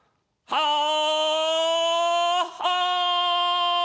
はあ。